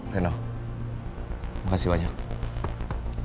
reno makasih banyak